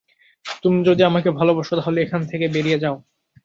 তুমি যদি আমাকে ভালোবাসো, তাহলে এখান থেকে বেরিয়ে যাও!